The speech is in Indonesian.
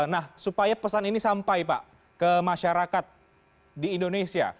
nah supaya pesan ini sampai pak ke masyarakat di indonesia